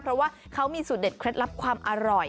เพราะว่าเขามีสูตรเด็ดเคล็ดลับความอร่อย